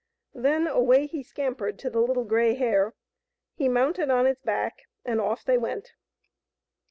Then away he scampered to the Little Grey Hare. He mounted on its back, and off they went.